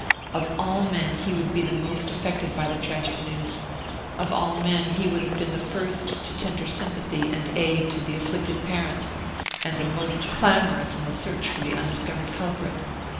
Of all men he would be the most affected by the tragic news; of all men he would have been the first to tender sympathy and aid to the afflicted parents, and the most clamorous in the search for the undiscovered culprit.